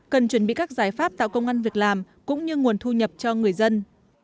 cần chuẩn bị các giải pháp tạo công an việc làm cũng như nguồn thu nhập cho người dân